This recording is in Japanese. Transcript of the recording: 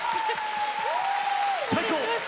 最高！